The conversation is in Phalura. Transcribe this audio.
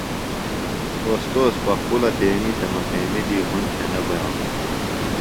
اوستوذ پخپُلہ تیݨی سےۡ مقیمی دی ہُنڈ تھےۡ نہ بئانوۡ۔